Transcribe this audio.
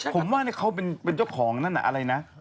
ผมว่าเขาเป็นเจ้าของนั่นน่ะอะไรนะ